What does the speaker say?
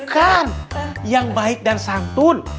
bukan yang baik dan santun